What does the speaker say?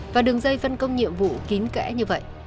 và đường dây phân công nhiệm vụ kín kẽ như vậy